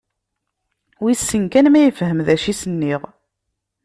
Wissen kan ma yefhem d acu i as-nniɣ?